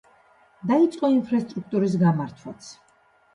დაიწყო ინფრასტრუქტურის გამართვაც.